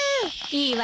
いいわよ。